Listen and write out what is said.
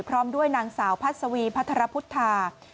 พร้อมด้วยนางสาวพัศวีพัทรพุทธา